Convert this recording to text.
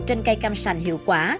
trên cây cam sành hiệu quả